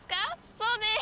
そうです！